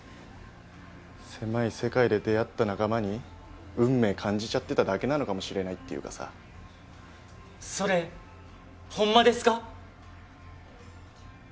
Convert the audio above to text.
狭い世界で出会った仲間に運命感じちゃってただけなのかもしれないっていうかさそれほんまですか？